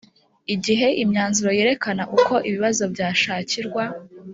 igihe imyanzuro yerekana uko ibibazo byashakirwa